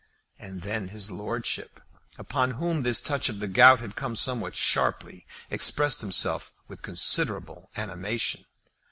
And then his lordship, upon whom this touch of the gout had come somewhat sharply, expressed himself with considerable animation.